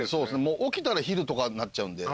起きたら昼とかになっちゃうんで。